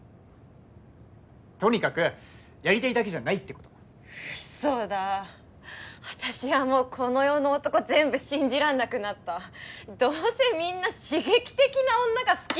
とにかくやりたいだけじゃないってことウソだ私はもうこの世の男全部信じらんなくなったどうせみんな刺激的な女が好きなんでしょ